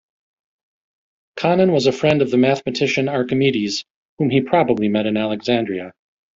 Conon was a friend of the mathematician Archimedes whom he probably met in Alexandria.